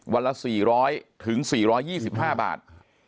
วันละ๔๐๐๔๒๕บาท